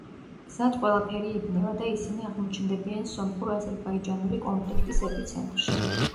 გზად ყველაფერი იბნევა და ისინი აღმოჩნდებიან სომხურ-აზერბაიჯანული კონფლიქტის ეპიცენტრში.